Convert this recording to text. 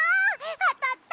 あたった！